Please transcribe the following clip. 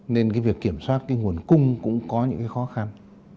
nên việc kiểm soát nguồn cung cũng có những khó khăn